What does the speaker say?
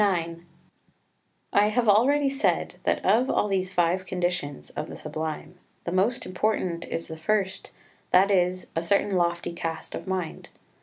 IX I have already said that of all these five conditions of the Sublime the most important is the first, that is, a certain lofty cast of mind.